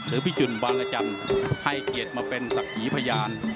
หรือพี่จุนวางจันทร์ให้เกียรติมาเป็นศักดิ์หญิงพยาน